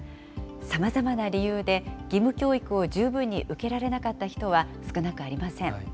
さまざまな理由で、義務教育を十分に受けられなかった人は少なくありません。